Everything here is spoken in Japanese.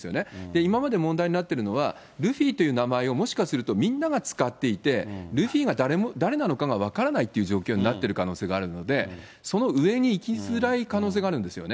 今まで問題になってるのは、ルフィという名前をもしかするとみんなが使っていて、ルフィが誰なのかが分からない状況になってる可能性があるので、その上に行きづらい可能性があるんですよね。